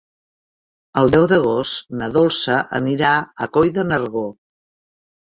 El deu d'agost na Dolça anirà a Coll de Nargó.